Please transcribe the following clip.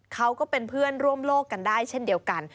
เขาก็เป็นเพื่อนร่วมโลกกันได้เช่นเดียวกัน